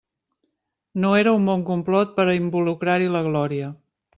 No era un bon complot per involucrar-hi la Glòria!